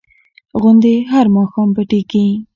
غوندې هر ماښام پټېږي.